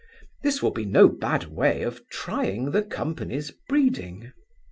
This will be no bad way of trying the company's breeding.